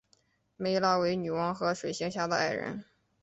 湄拉为女王和水行侠的爱人。